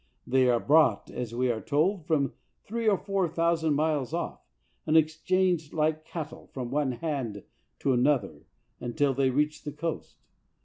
They are brought, as we are told, from three or four thous and miles off, and exchanged like cattle from one hand to another, until they reach the coast.